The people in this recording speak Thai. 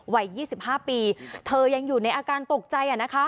วัย๒๕ปีเธอยังอยู่ในอาการตกใจ